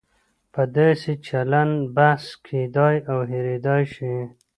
په داسې چلن بحث کېدای او هېریدای شي.